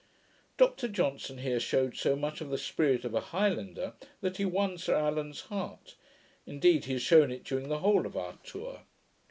Dr Johnson here shewed so much of the spirit of a highlander, that he won Sir Allan's heart: indeed, he has shewn it during the whole of our tour.